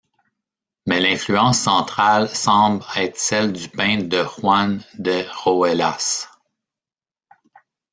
Mais l'influence centrale semble être celle du peintre de Juan de Roelas.